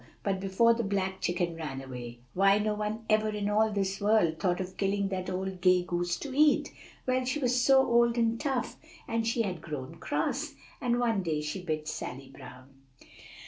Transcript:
But before the black chicken ran away, why, no one ever in all this world thought of killing that old gray goose to eat. Well, she was so old and tough, and she had grown cross, and one day she bit Sally Brown."